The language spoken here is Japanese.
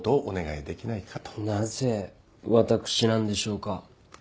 なぜ私なんでしょうか？